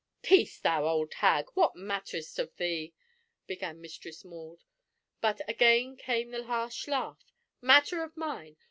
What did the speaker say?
"Peace, thou old hag; what matter is't of thine?" began Mistress Maud, but again came the harsh laugh. "Matter of mine!